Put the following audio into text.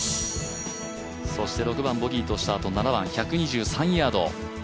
６番ボギーとしたあと７番、１２３ヤード。